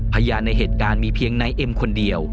พยานในเหตุการณ์มีเพียงนายเอ็มคนเดียว